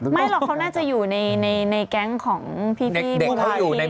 ไม่หรอกเขาน่าจะอยู่ในแก๊งของพี่บุราธิ